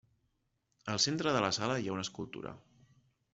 Al centre de la sala hi ha una escultura.